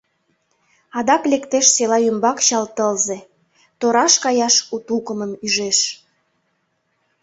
Адак лектеш села ӱмбак чал тылзе, Тораш каяш у тукымым ӱжеш.